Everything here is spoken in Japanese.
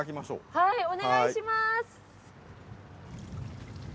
はいお願いします。